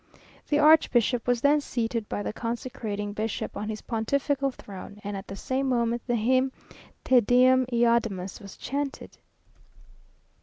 The archbishop was then seated by the consecrating bishop on his pontifical throne, and at the same moment, the hymn "Te Deum Iaudamus" was chanted.